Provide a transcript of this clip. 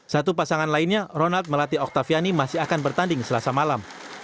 satu pasangan lainnya ronald melati oktaviani masih akan bertanding selasa malam